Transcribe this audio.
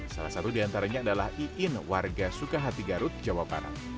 salah satu diantaranya adalah iin warga sukahati garut jawa barat